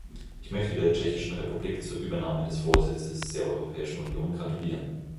Ich möchte der Tschechischen Republik zur Übernahme des Vorsitzes der Europäischen Union gratulieren.